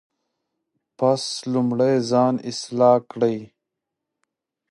پس لومړی ځان اصلاح کړئ.